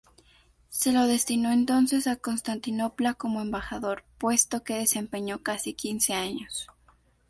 Se lo destinó entonces a Constantinopla como embajador, puesto que desempeñó casi quince años.